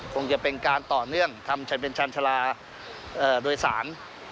คงจะเป็นการต่อเนื่องทำเป็นชาญชาลาโดยสาร